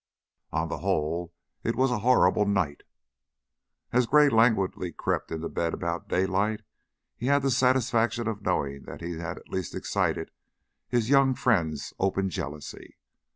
On the whole, it was a horrible night. As Gray languidly crept into bed about daylight he had the satisfaction of knowing that he had at least excited his young friend's open jealousy.